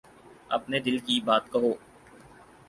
اپنے دل کی بات کہو۔